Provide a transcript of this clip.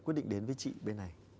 quyết định đến với chị bên này